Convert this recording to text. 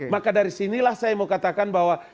maka dari sinilah saya mau katakan bahwa